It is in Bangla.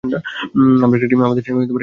আমরা একটা টিম, আমাদের একসাথে থাকা উচিত।